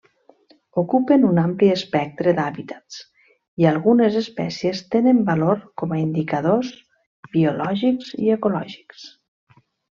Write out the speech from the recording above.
Ocupen un ampli espectre d'hàbitats i algunes espècies tenen valor com indicadors biològics i ecològics.